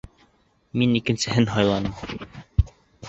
Мин икенсеһен һайланым.